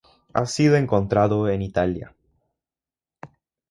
Ha sido encontrado en Italia.